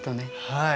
はい。